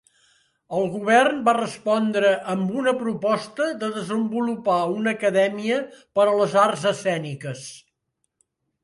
El govern va respondre amb una proposta de desenvolupar una acadèmia per a les arts escèniques.